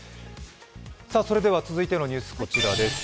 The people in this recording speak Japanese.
続いてのニュース、こちらです。